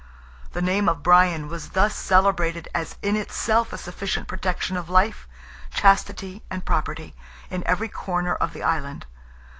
The name of Brian was thus celebrated as in itself a sufficient protection of life, chastity, and property, in every corner of the Island.